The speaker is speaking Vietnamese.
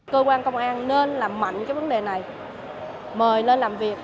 cơ quan công an nên làm mạnh cái vấn đề này mời lên làm việc